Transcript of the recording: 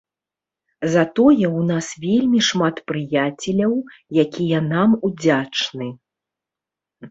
Затое ў нас вельмі шмат прыяцеляў, якія нам удзячны.